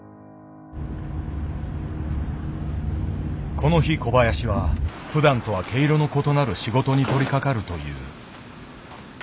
この日小林はふだんとは毛色の異なる仕事に取りかかるという。